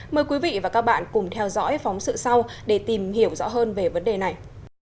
mời quý vị và các bạn cùng theo dõi phóng sự sau để tìm hiểu rõ hơn về vấn đề này